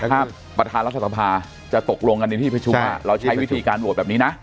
ถ้าประธานรัฐสภาจะตกลงกันในที่ประชุมเราใช้วิธีการโหวตแบบนี้นะ